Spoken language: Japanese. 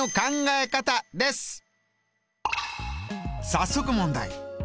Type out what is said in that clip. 早速問題。